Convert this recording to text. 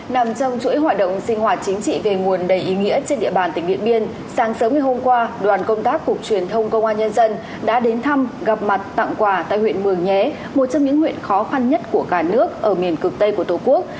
nằm trong chuỗi hoạt động sinh hoạt chính trị về nguồn đầy ý nghĩa trên địa bàn tỉnh điện biên sáng sớm ngày hôm qua đoàn công tác cục truyền thông công an nhân dân đã đến thăm gặp mặt tặng quà tại huyện mường nhé một trong những huyện khó khăn nhất của cả nước ở miền cực tây của tổ quốc